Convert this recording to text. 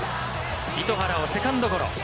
糸原をセカンドゴロ。